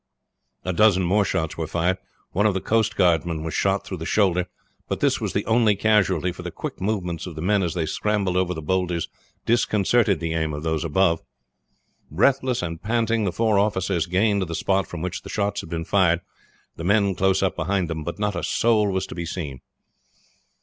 A dozen more shots were fired. One of the coast guard men was shot through the shoulder; but this was the only casualty, for the quick movements of the men as they scrambled over the bowlders disconcerted the aim of those above. Breathless and panting the four officers gained the spot from which the shots had been fired, the men close up behind them; but not a soul was to be seen.